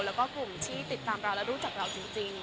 แล้วก็กลุ่มที่ติดตามเราและรู้จักเราจริง